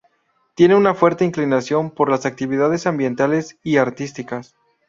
Tiene una fuerte inclinación por las actividades ambientales y artísticas.